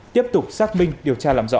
tiếp tục xác minh điều tra làm rõ